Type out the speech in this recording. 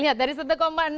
anda suka ngerokok kan